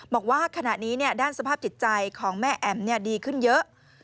บอกว่าขณะนี้ด้านสภาพจิตใจของแม่แอ๋มดีขึ้นเยอะ